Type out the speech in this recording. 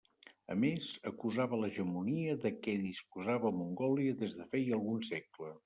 A més, acusava l'hegemonia de què disposava Mongòlia des de feia algun segle.